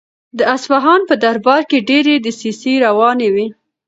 د اصفهان په دربار کې ډېرې دسیسې روانې وې.